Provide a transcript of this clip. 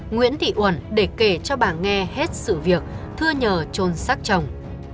nguyễn thị uẩn để kể cho bà nghe hết sự việc thưa nhờ trôn xác chồng